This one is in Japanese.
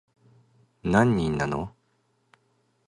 何人なの